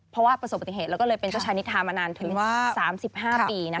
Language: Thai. เพราะว่าประสบปฏิเหตุแล้วก็เลยเป็นเจ้าชายนิทามานานถึง๓๕ปี